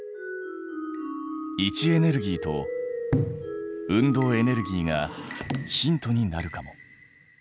位置エネルギーと運動エネルギーがヒントになるかも。